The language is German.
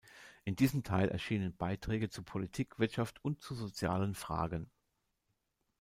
In diesem Teil erschienen Beiträge zu Politik, Wirtschaft und zu sozialen Fragen.